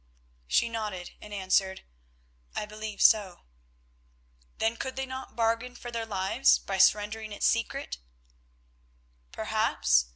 She nodded, and answered, "I believe so." "Then could they not bargain for their lives by surrendering its secret?" "Perhaps.